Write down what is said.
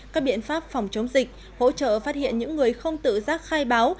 các biện pháp phòng chống dịch hỗ trợ phát hiện những người không tự giác khai báo